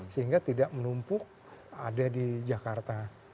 sehingga tidak menumpuk ada di jakarta